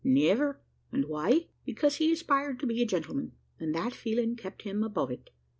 Never and why? because he aspired to be a gentleman, and that feeling kept him above it.